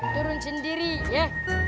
turun sendiri ya